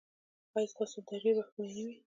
ایا ستاسو درې به ښکلې نه وي؟